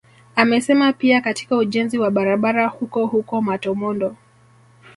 Amesema pia katika ujenzi wa barabara huko huko Matomondo